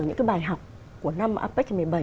những cái bài học của năm apec hai nghìn một mươi bảy